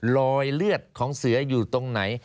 รอยเลือดของเสืออยู่ตรงไหน